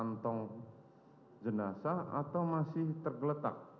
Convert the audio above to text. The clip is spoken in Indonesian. kantong jenazah atau masih tergeletak